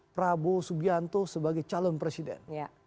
prabowo subianto sebagai calon presiden